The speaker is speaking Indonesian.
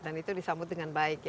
dan itu disambut dengan baik ya